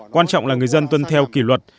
quan trọng là người dân tuân theo kỷ luật